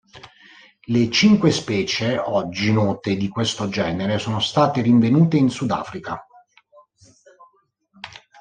Le cinque specie oggi note di questo genere sono state rinvenute in Sudafrica.